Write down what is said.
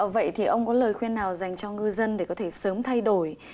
vậy thì ông có lời khuyên nào dành cho ngư dân để có thể sớm thay đổi